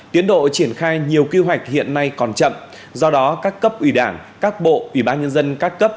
tiến độ triển khai nhiều kế hoạch hiện nay còn chậm do đó các cấp ủy đảng các bộ ủy ban nhân dân các cấp